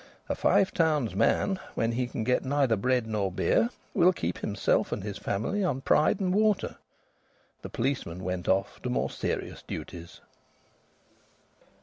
A Five Towns' man, when he can get neither bread nor beer, will keep himself and his family on pride and water. The policemen went off to more serious duties.